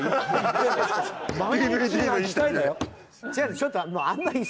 ちょっと。